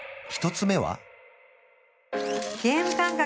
１つ目は？